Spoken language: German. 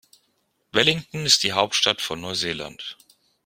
Wellington ist die Hauptstadt von Neuseeland.